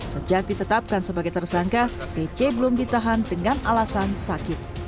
sejak ditetapkan sebagai tersangka pc belum ditahan dengan alasan sakit